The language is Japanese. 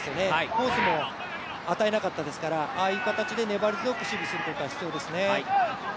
コースも与えなかったですから、ああいう形で粘り強く守備することが必要ですね。